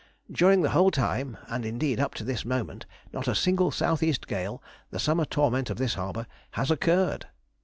During the whole time (and indeed up to this moment) not a single south east gale, the summer torment of this harbour, has occurred.